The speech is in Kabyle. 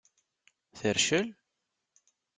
Tercel?